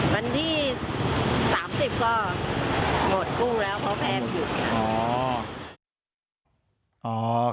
วันที่๓๐ก็หมดกุ้งแล้วเพราะแพงอยู่